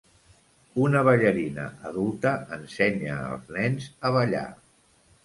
Una ballarina adulta ensenya als nens a ballar.